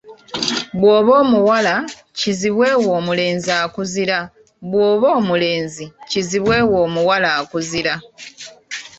Bw’oba omuwala, kizibwe wo omulenzi akuzira, bw’oba omulenzi, kizibwe wo omuwala akuzira.